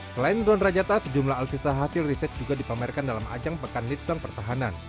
selain drone rajata sejumlah alutsista hasil riset juga dipamerkan dalam ajang pekan lead bank pertahanan